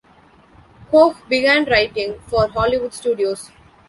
Koch began writing for Hollywood studios.